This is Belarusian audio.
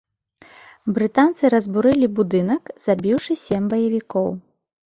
Брытанцы разбурылі будынак, забіўшы сем баевікоў.